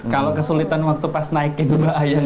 kalau kesulitan waktu pas naikin mbak ayel